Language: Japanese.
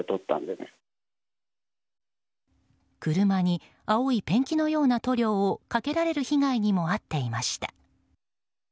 車に青いペンキのような塗料をかけられる被害にも遭っていました。